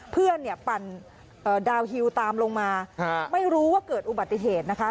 เพื่อนเนี่ยปั่นดาวฮิวตามลงมาไม่รู้ว่าเกิดอุบัติเหตุนะคะ